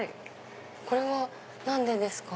これは何でですか？